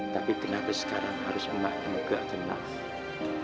tapi kenapa sekarang harus emak enggak kenal